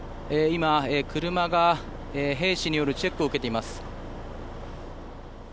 今、車が兵士によるチェックを受けています。